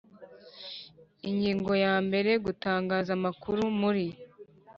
Ingingo yambere Gutangaza amakuru muri